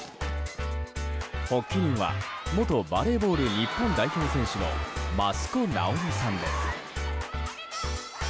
発起人は元バレーボール日本代表選手の益子直美さんです。